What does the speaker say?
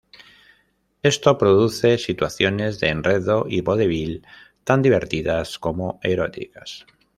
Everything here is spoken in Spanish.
Esto produce situaciones de enredo y vodevil, tan divertidas como eróticas.